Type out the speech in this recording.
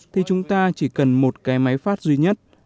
thì chúng ta chỉ cần một cái máy phát duy nhất